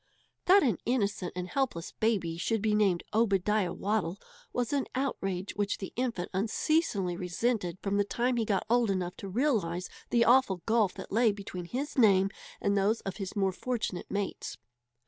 That an innocent and helpless baby should be named Obadiah Waddle was an outrage which the infant unceasingly resented from the time he got old enough to realize the awful gulf that lay between his name and those of his more fortunate mates.